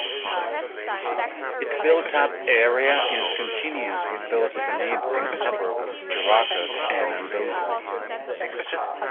Its built-up area is continuous with those of the neighbouring suburbs Gerakas and Anthousa.